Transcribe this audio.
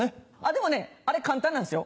でもねあれ簡単なんですよ。